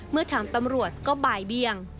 เมื่อถามตำรวจก็บ่ายเบียง